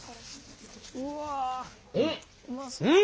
うん！